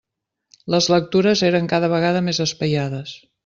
Les lectures eren cada vegada més espaiades.